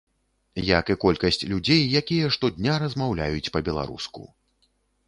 Як і колькасць людзей, якія штодня размаўляюць па-беларуску.